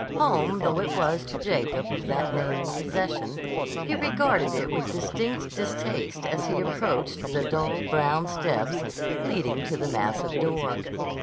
Home though it was to Jacob of that name and possession, he regarded it with distinct distaste as he approached the dull, brown steps leading to the massive door.